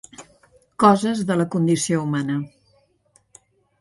Coses de la condició humana.